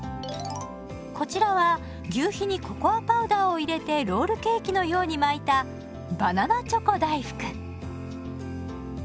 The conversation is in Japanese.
こちらは求肥にココアパウダーを入れてロールケーキのように巻いたバナナチョコ大福。